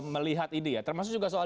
melihat ini ya termasuk juga soal